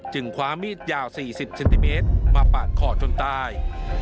คว้ามีดยาว๔๐เซนติเมตรมาปาดคอจนตาย